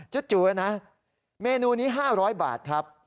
จูนะเมนูนี้๕๐๐บาทครับ